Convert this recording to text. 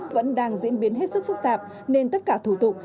vẫn đang diễn biến hết sức phức tạp nên tất cả thủ tục